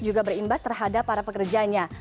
juga berimbas terhadap para pekerjanya